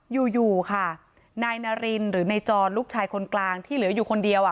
อยู่อยู่ค่ะนายนารินหรือนายจรลูกชายคนกลางที่เหลืออยู่คนเดียว